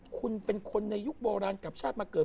คุณเป็นคนในยุคโบราณกลับชาติมาเกิด